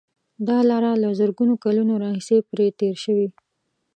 دا لاره له زرګونو کلونو راهیسې پرې تېر شوي.